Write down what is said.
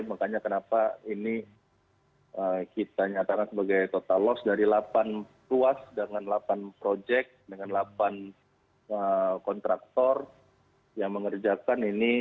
makanya kenapa ini kita nyatakan sebagai total loss dari delapan ruas dengan delapan project dengan delapan kontraktor yang mengerjakan ini